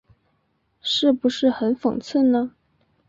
是不是很讽刺呢？